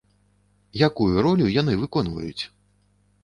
Якую ролю яны выконваюць?